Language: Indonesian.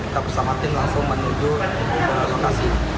kita bersamatin langsung menuju lokasi